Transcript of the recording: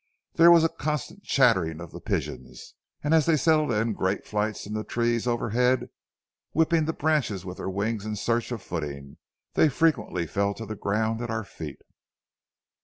There was a constant chattering of the pigeons, and as they settled in great flights in the trees overhead, whipping the branches with their wings in search of footing, they frequently fell to the ground at our feet.